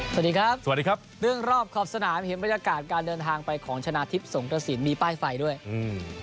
สวัสดีครับสวัสดีครับเรื่องรอบขอบสนามเห็นบรรยากาศการเดินทางไปของชนะทิพย์สงกระสินมีป้ายไฟด้วยอืม